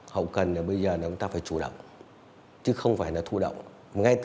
hậu cần bây giờ chúng ta phải chủ động chứ không phải thu động